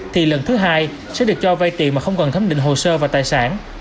thì lần thứ hai sẽ được cho vay tiền mà không cần thấm định hồ sơ và tài sản